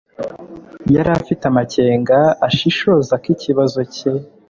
yari afite amakenga ashishoza ko ikibazo cye